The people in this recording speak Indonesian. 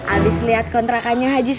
abis liat kontrakannya haji sodik be